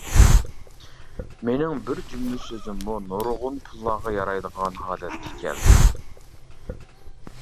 مېنىڭ بىر جۈملە سۆزۈممۇ نۇرغۇن پۇللارغا يارايدىغان ھالەتكە كەلدى.